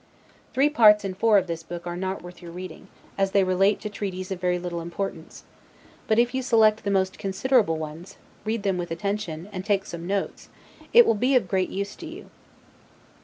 Three parts in four of this book are not worth your reading, as they relate to treaties of very little importance; but if you select the most considerable ones, read them with attention, and take some notes, it will be of great use to you.